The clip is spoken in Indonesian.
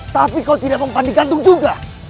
tapi kau tidak mempandu gantung juga